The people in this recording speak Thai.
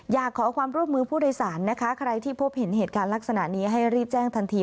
อยากขอความร่วมมือผู้โดยสารนะคะใครที่พบเห็นเหตุการณ์ลักษณะนี้ให้รีบแจ้งทันที